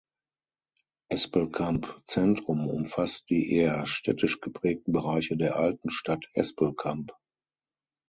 Espelkamp Zentrum umfasst die eher städtisch geprägten Bereiche der alten Stadt Espelkamp.